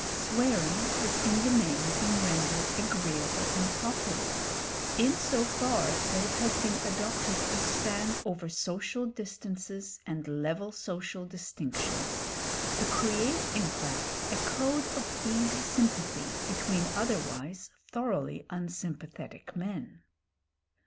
Swearing has in the main been rendered agreeable and popular in so far that it has been adopted to span over social distances and level social distinctions, to create in fact a code of easy sympathy between otherwise thoroughly unsympathetic men.